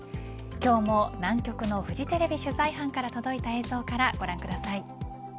今日も南極のフジテレビ取材班から届いた映像からご覧ください。